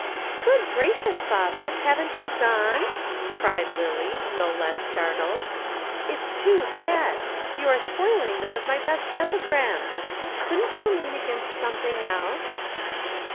"Good gracious, father, haven't you gone?" cried Lillie, no less startled. "It's too bad. You are spoiling one of my best epigrams. Couldn't you lean against something else?"